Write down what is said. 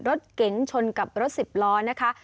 รถเก๋งชนกับรถสิบล้อนะคะ